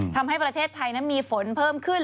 ทำให้ประเทศไทยนั้นมีฝนเพิ่มขึ้น